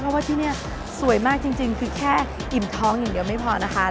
เพราะว่าที่นี่สวยมากจริงคือแค่อิ่มท้องอย่างเดียวไม่พอนะคะ